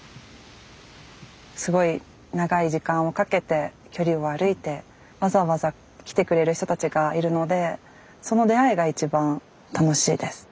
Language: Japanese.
すごい長い時間をかけて距離を歩いてわざわざ来てくれる人たちがいるのでその出会いが一番楽しいです。